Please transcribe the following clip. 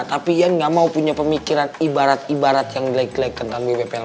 tapi ian enggak mau punya pemikiran ibarat ibarat yang gle gle tentang bebek bebek